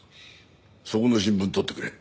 そこの新聞取ってくれ。